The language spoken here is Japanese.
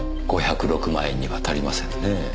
５０６万円には足りませんねぇ。